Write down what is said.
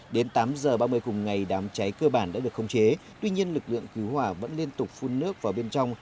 đến tám giờ ba mươi cùng ngày đám cháy cơ bản đã được khống chế tuy nhiên lực lượng cứu hỏa vẫn liên tục phun nước vào bên trong